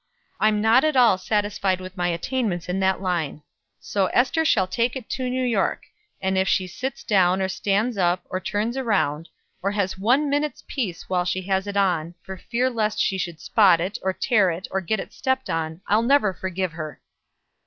I'm not at all satisfied with my attainments in that line; so Ester shall take it to New York; and if she sits down or stands up, or turns around, or has one minute's peace while she has it on, for fear lest she should spot it, or tear it, or get it stepped on, I'll never forgive her."